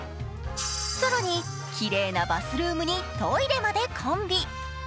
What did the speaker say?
更にきれいなバスルームにトイレまで完備。